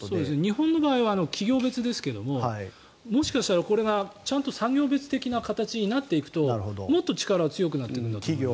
日本の場合は企業別ですがもしかしたらこれがちゃんと産業別的な形になっていくともっと力は強くなっていくんですね。